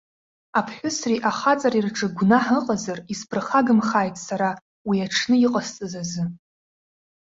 Аԥҳәысреи ахаҵареи рҿы гәнаҳа ыҟазар, исԥырхаг амх ааит сара, уи аҽны иҟасҵаз азы.